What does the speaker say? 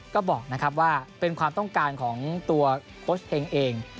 ก็บอกนะครับว่าเป็นความต้องการของตัวโค้ชเฮงเอง